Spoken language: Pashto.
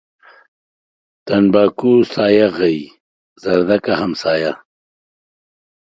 تنباکو سايه غيي ، زردکه همسايه.